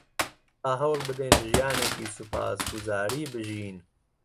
با هەوڵ بدەین ژیانێکی سوپاسگوزاری بژین.